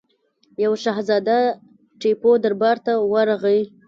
یوه شهزاده ټیپو دربار ته ورغی.